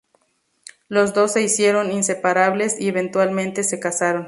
Los dos se hicieron inseparables, y eventualmente se casaron.